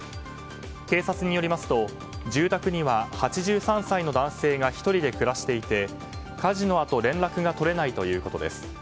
警察によりますと住宅には、８３歳の男性が１人で暮らしていて火事のあと連絡が取れないということです。